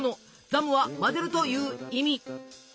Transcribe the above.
「ザム」は混ぜるという意味。